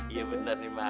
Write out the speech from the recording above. iya bener nih mak